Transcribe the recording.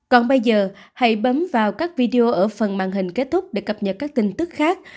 còn bây giờ hãy bấm vào các video ở phần màn hình kết thúc để cập nhật các tin tức khác